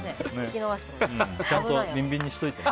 ちゃんとビンビンにしといてね。